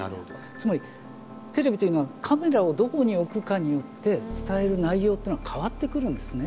つまりテレビというのはカメラをどこに置くかによって伝える内容というのは変わってくるんですね。